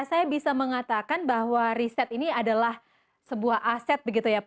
saya bisa mengatakan bahwa riset ini adalah sebuah aset